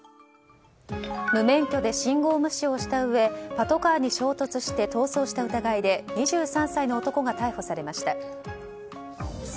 無免許で信号無視をしたうえパトカーの衝突して逃走した疑いで２３歳の男が逮捕されました。